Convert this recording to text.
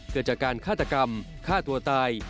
เกิดจากการฆาตกรรมฆ่าตัวตาย